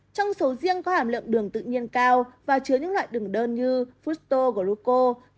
trong sầu riêng có hàm lượng đường tự nhiên cao và chứa những loại đường đơn như fusto glucose